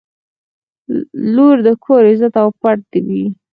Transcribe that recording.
• لور د کور عزت او پت وي.